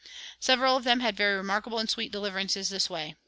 Several of them had very remarkable and sweet deliverances this way.